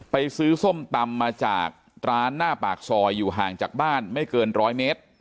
ซื้อส้มตำมาจากร้านหน้าปากซอยอยู่ห่างจากบ้านไม่เกินร้อยเมตร